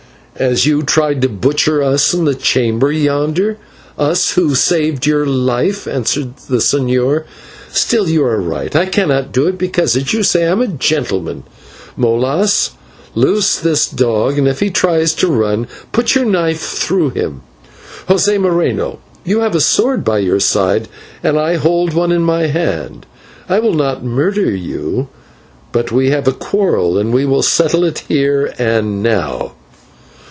"As you tried to butcher us in the chamber yonder us, who saved your life," answered the señor. "Still, you are right, I cannot do it because, as you say, I am a gentleman. Molas, loose this dog, and if he tries to run, put your knife through him. José Moreno, you have a sword by your side and I hold one in my hand; I will not murder you, but we have a quarrel, and we will settle it here and now."